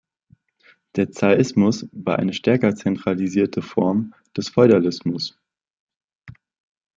Der Zarismus war eine stärker zentralisierte Form des Feudalismus.